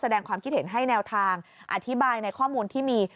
แสดงความคิดเห็นให้แนวทางอธิบายในข้อมูลที่มี